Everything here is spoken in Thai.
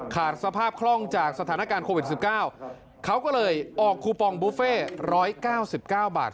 ขาดสภาพคล่องจากสถานการณ์โควิด๑๙เขาก็เลยออกคูปองบุฟเฟ่๑๙๙บาท